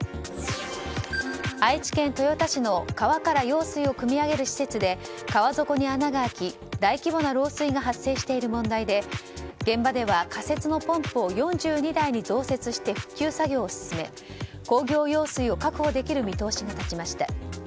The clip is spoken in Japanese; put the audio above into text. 愛知県豊田市の川から用水をくみ上げる施設で川底に穴が開き、大規模な漏水が発生している問題で現場では仮設のポンプを４２台に増設して復旧作業を進め工業用水を確保できる見通しが立ちました。